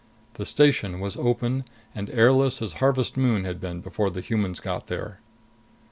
The station was open and airless as Harvest Moon had been before the humans got there.